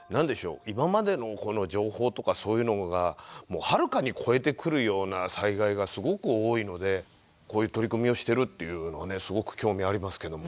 今までのこの情報とかそういうのがはるかに超えてくるような災害がすごく多いのでこういう取り組みをしてるっていうのはすごく興味ありますけども。